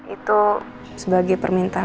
itu sebagai permintaan